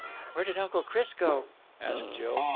"Where did Uncle Chris go?" asked Jill.